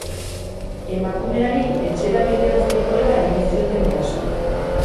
Emakumeari etxera bidean zegoela egin zioten eraso.